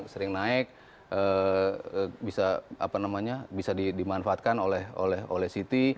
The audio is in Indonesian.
sering naik bisa dimanfaatkan oleh city